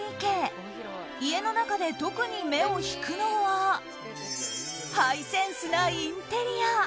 家の中で特に目を引くのはハイセンスなインテリア！